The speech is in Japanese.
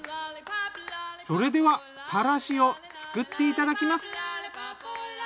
それではたらしを作っていただきます。